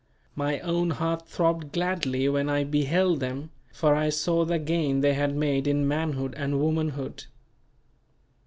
My own heart throbbed gladly when I beheld them for I saw the gain they had made in manhood and womanhood.